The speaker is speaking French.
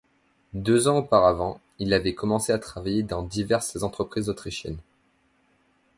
Deux ans auparavant, il avait commencé à travailler dans diverses entreprises autrichiennes.